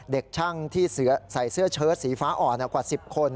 เด็กช่างที่ใส่เสื้อเชิดสีฟ้าอ่อนกว่า๑๐คน